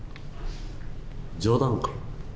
冗談か。